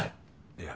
いや。